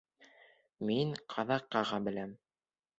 Мин ҡаҙаҡ ҡаға беләм.